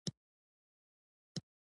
هر د زخمتونو پیل، زرین پای لري.